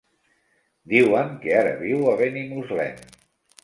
Diuen que ara viu a Benimuslem.